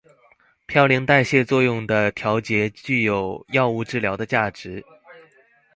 嘌呤代谢作用的调节具有药物治疗的价值。